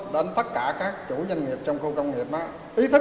đến tất cả các chủ doanh nghiệp